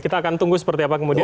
kita akan tunggu seperti apa kemudian